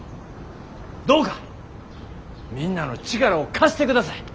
どうかみんなの力を貸してください。